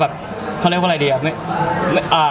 ภะเรียบบันใจเท่าไร